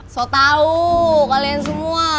so tau kalian semua